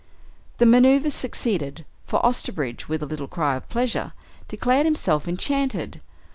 The maneuver succeeded, for Osterbridge, with a little cry of pleasure, declared himself enchanted.